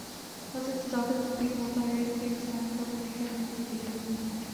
حد سے تجاوز بھی ہوتا ہے کہ انسان کا وتیرہ یہی ہے۔